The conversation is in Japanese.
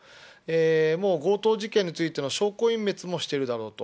もう強盗事件についての証拠隠滅もしてるだろうと。